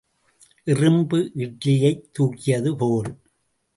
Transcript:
எறும்பு இட்டலியைத் தூக்கியது போல.